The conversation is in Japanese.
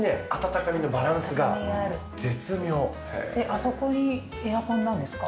あそこにエアコンなんですか？